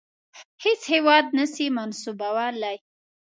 هیڅ هیواد نه سي منسوبولای.